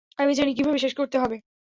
আমি জানি কীভাবে শেষ করতে হবে।